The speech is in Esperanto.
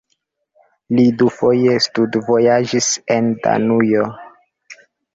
Li dufoje studvojaĝis en Danujo.